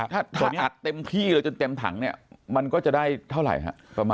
ถ้าอัดเต็มที่หรือจะเต็มถังมันก็จะได้เท่าไหร่ครับ